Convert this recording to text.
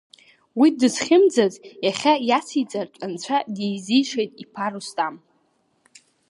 Уи дызхьымӡаз иахьа иациҵартә анцәа дизишеит иԥа Рустам.